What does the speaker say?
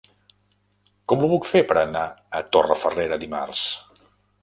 Com ho puc fer per anar a Torrefarrera dimarts?